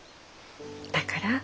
だから。